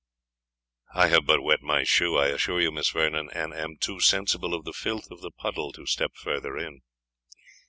"I have but wet my shoe, I assure you, Miss Vernon, and am too sensible of the filth of the puddle to step farther in."